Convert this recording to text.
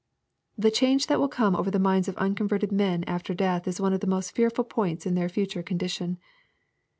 The change that will come over the minds of uncon verted men after death is one of the most fearful points in their future condition.